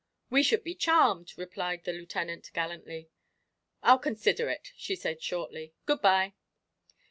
"We should be charmed," replied the Lieutenant, gallantly. "I'll consider it," she said shortly. "Good bye!"